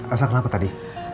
elsa kenapa tadi